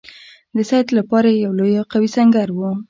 د سید لپاره یو لوی او قوي سنګر وو.